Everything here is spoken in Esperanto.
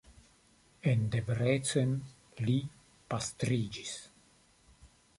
En Debrecen li pastriĝis.